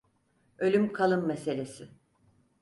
Ölüm kalım meselesi.